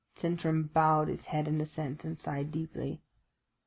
'" Sintram bowed his head in assent, and sighed deeply.